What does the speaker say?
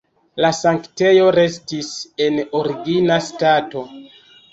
La sanktejo restis en origina stato.